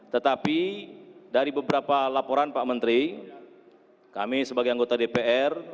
tetapi dari beberapa laporan pak menteri kami sebagai anggota dpr